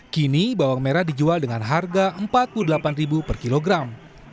kini bawang merah dijual dengan harga rp empat puluh delapan per kilogram